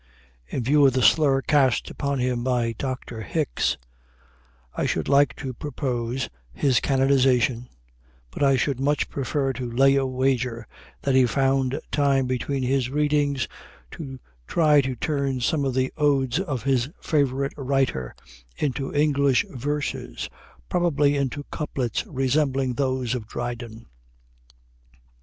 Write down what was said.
In view of the slur cast upon him by Dr. Hickes I should like to propose his canonization, but I should much prefer to lay a wager that he found time between his readings to try to turn some of the odes of his favorite writer into English verses, probably into couplets resembling those of Dryden.